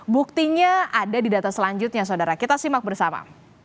buktinya ada di data selanjutnya saudara kita simak bersama